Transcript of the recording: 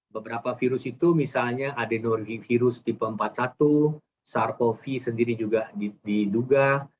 beberapa virus itu misalnya adenovirus tipe empat puluh satu sarkovi sendiri juga diduga